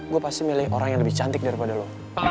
gue pasti milih orang yang lebih cantik daripada lo